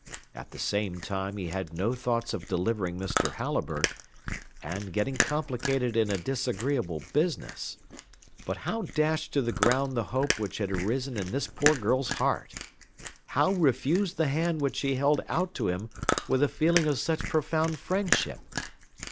At the same time he had no thoughts of delivering Mr. Halliburtt, and getting complicated in a disagreeable business: but how dash to the ground the hope which had arisen in this poor girl's heart? How refuse the hand which she held out to him with a feeling of such profound friendship?